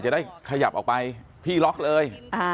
จะได้ขยับออกไปพี่ล็อกเลย